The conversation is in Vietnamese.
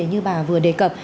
như bà vừa đề cập